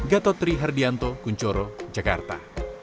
gatotri hardianto kunchoro jakarta